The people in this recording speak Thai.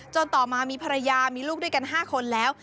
ต่อมามีภรรยามีลูกด้วยกัน๕คนแล้ว